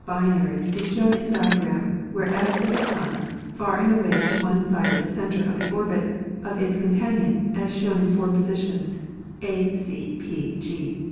binaries is shown in the diagram, where S is a sun, far and away to one side of the center of the orbit of its compan ion, as shown in four positions, A, C, P, G.